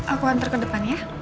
aku antar ke depan ya